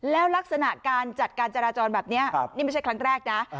แล้วลักษณะการจัดการจราจรแบบนี้นี่ไม่ใช่ครั้งแรกนะ